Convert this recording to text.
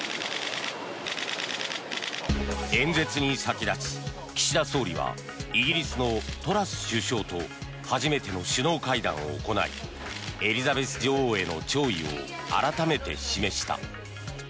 演説に先立ち、岸田総理はイギリスのトラス首相と初めての首脳会談を行いエリザベス女王への弔意を改めて示した。